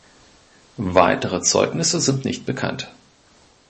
Weitere Zeugnisse sind nicht bekannt.